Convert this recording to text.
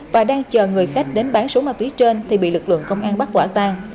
và đang chờ người khách đến bán số ma túy trên thì bị lực lượng công an bắt quả tang